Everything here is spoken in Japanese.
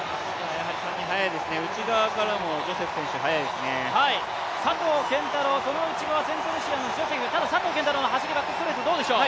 やはり早いですね、内側からもジョセフ選手速いです。佐藤拳太郎、その内側セントルシアのジョセフただ佐藤拳太郎の走り、どうでしょう。